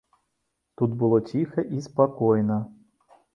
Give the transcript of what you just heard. Тут было ціха і спакойна.